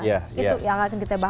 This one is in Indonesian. itu yang akan kita bahas